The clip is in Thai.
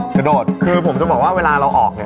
กระโดดคือผมจะบอกว่าเวลาเราออกเนี่ย